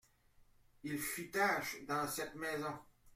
Il fit tache dans cette maison.